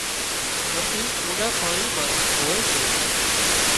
مسي اونڏا پاڻي مان هوئي سي